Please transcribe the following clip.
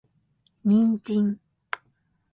人参